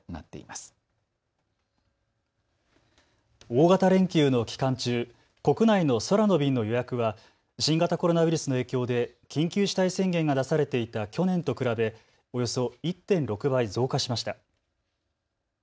大型連休の期間中、国内の空の便の予約は新型コロナウイルスの影響で緊急事態宣言が出されていた去年と比べおよそ１．６倍増加しました。